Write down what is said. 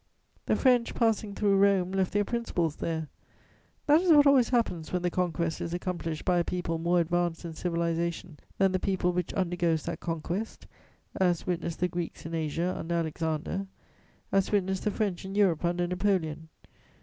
The French, passing through Rome, left their principles there: that is what always happens when the conquest is accomplished by a people more advanced in civilization than the people which undergoes that conquest, as witness the Greeks in Asia under Alexander, as witness the French in Europe under Napoleon.